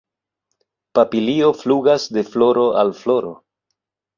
Papilio flugas de floro al floro.